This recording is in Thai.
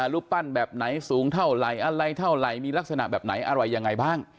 รูปปั้นแบบไหนสูงเท่าไหร่อะไรเท่าไหร่มีลักษณะแบบไหนอะไรยังไงบ้าง